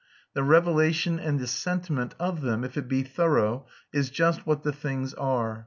The revelation and the sentiment of them, if it be thorough, is just what the things are.